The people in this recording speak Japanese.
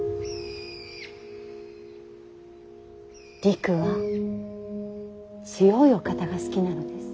りくは強いお方が好きなのです。